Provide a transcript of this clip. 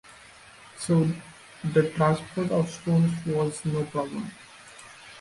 So the transport of stones was no problem.